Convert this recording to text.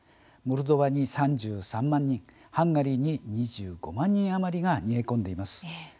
モルドバに３３万人ハンガリーに２５万人余りが逃げ込んでいます。